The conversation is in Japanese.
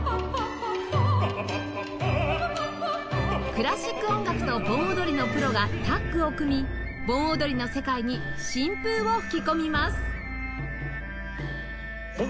クラシック音楽と盆踊りのプロがタッグを組み盆踊りの世界に新風を吹き込みます